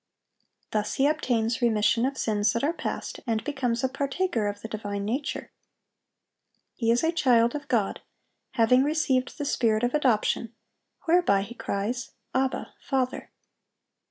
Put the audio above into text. Thus he obtains "remission of sins that are past," and becomes a partaker of the divine nature. He is a child of God, having received the spirit of adoption, whereby he cries, "Abba, Father!"